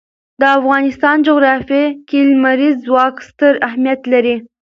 د افغانستان جغرافیه کې لمریز ځواک ستر اهمیت لري.